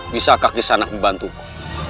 bisakah kisana membantuku